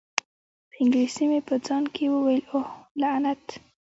په انګلیسي مې په ځان کې وویل: اوه، لعنت!